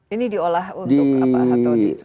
ini diolah untuk apa